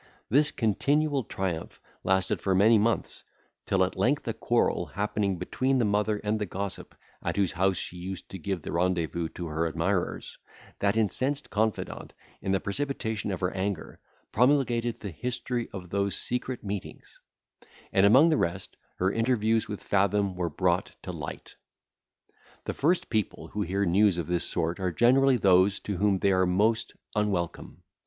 This continual triumph lasted for many months, till at length, a quarrel happening between the mother and the gossip at whose house she used to give the rendezvous to her admirers, that incensed confidante, in the precipitation of her anger, promulgated the history of those secret meetings; and, among the rest, her interviews with Fathom were brought to light. The first people who hear news of this sort are generally those to whom they are most unwelcome.